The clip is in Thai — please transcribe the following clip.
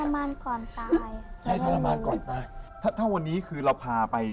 มานก่อนตายใช่ทรมานก่อนตายถ้าถ้าวันนี้คือเราพาไป